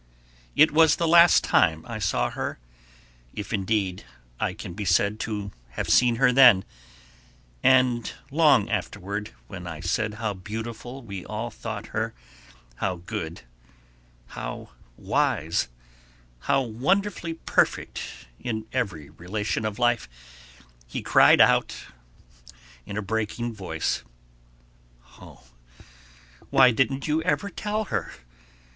It was the last time I saw her, if indeed I can be said to have seen her then, and long afterward when I said how beautiful we all thought her, how good, how wise, how wonderfully perfect in every relation of life, he cried out in a breaking voice: "Oh, why didn't you ever tell her?